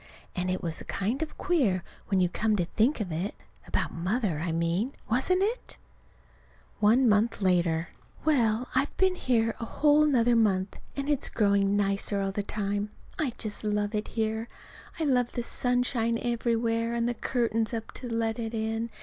And it was kind of queer, when you come to think of it about Mother, I mean, wasn't it? One month later. Well, I've been here another whole month, and it's growing nicer all the time. I just love it here. I love the sunshine everywhere, and the curtains up to let it in.